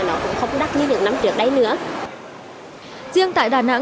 nó cũng không đắt như được năm trước đây nữa